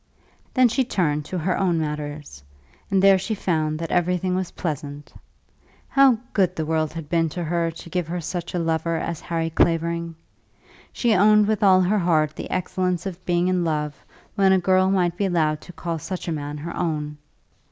Then she turned to her own matters, and there she found that everything was pleasant. How good the world had been to her to give her such a lover as Harry Clavering! She owned with all her heart the excellence of being in love, when a girl might be allowed to call such a man her own.